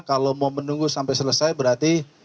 kalau mau menunggu sampai selesai berarti